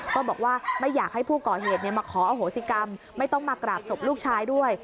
ก็บอกว่าไม่อยากให้ผู้ก่อเหตุมาขออโหสิกรรมไม่ต้องมากราบศพลูกชายด้วย